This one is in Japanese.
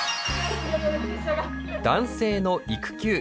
男性の育休。